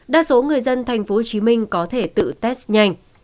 đa số người dân tp hcm có thể tự test nhanh